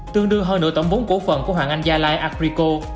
tương đương hơn nửa tổng vốn cổ phần của hoàng anh gia lai acrico